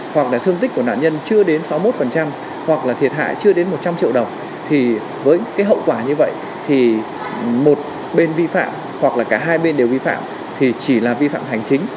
một bên vi phạm hoặc là cả hai bên đều vi phạm thì chỉ là vi phạm hành chính